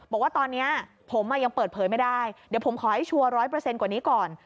บอกว่าตอนนี้ผมยังเปิดเผยไม่ได้เดี๋ยวผมขอให้ชัวร์๑๐๐กว่านี้ก่อน